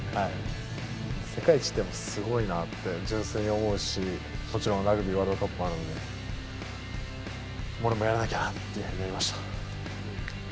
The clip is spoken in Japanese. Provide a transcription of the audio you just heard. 世界一っていうのはすごいなって純粋に思うし、もちろんラグビーもワールドカップあるんで、俺もやらなきゃって思いました。